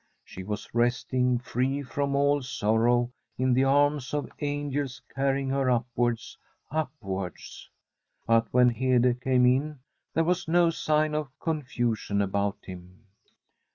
She was resting, free from all sorrow, in the arms of angels carrying her upwards, upwards. But when Hede came in, there was no sign of confusion about him.